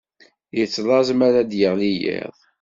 Yettlaẓ mi ara d-yeɣli yiḍ